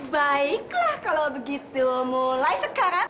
baiklah kalau begitu mulai sekarang